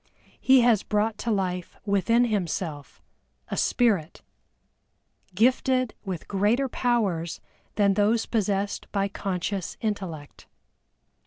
He has brought to life within himself a Spirit, gifted with greater powers than those possessed by Conscious Intellect.